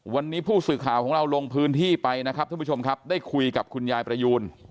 วันนี้ผู้สื่อข่าวของเราลงพื้นที่ไปนะครับท่านผู้ชมครับได้คุยกับคุณยายประยูน